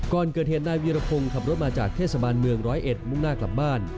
ก่อนเกิดเหตุนายวีรพงศ์ขับรถมาจากเทศบาลเมืองร้อยเอ็ดมุ่งหน้ากลับบ้าน